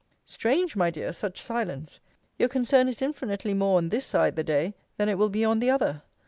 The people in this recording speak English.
Strange, my dear, such silence! Your concern is infinitely more on this side the day, than it will be on the other.